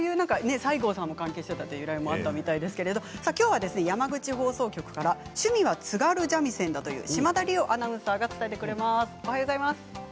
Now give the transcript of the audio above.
西郷さんも関係していたという由来もあったようですけどきょうは山口放送局から趣味は津軽三味線という島田莉生アナウンサーが伝えてくれます。